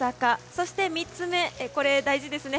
そして３つ目、これ大事ですね。